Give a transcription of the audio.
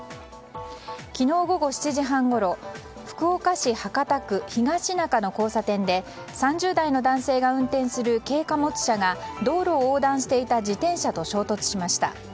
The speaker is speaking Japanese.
昨日午後７時半ごろ福岡市博多区東那珂の交差点で３０代の男性が運転する軽貨物車が道路を横断していた自転車と衝突しました。